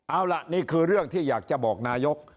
เอาล่ะนี่คือเรื่องที่อยากจะบอกนายก